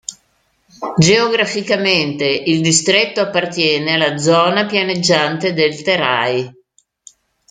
Geograficamente il distretto appartiene alla zona pianeggiante del Terai.